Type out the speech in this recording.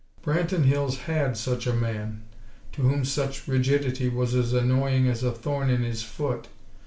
Branton Hills had such a man, to whom such rigidity was as annoying as a thorn in his foot.